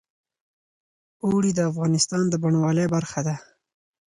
اوړي د افغانستان د بڼوالۍ برخه ده.